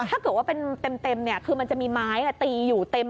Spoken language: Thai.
ถ้าเกิดว่าเป็นเต็มคือมันจะมีไม้ตีอยู่เต็ม